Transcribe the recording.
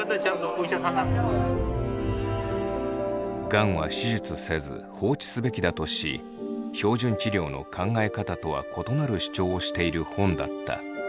がんは手術せず放置すべきだとし標準治療の考え方とは異なる主張をしている本だった。